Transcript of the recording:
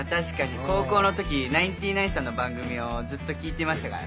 高校の時ナインティナインさんの番組をずっと聴いてましたからね。